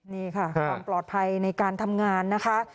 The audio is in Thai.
นี่ค่ะความปลอดภัยในการทำงานนะคะ